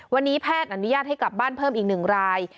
วันนี้แพทย์อนุญาตให้กลับบ้านเพิ่มอีก๑ราย